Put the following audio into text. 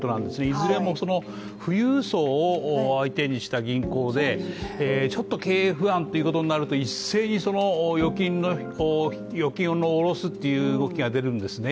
いずれも富裕層を相手にした銀行でちょっと経営不安ということになると一斉に預金を下ろすという動きが出るんですね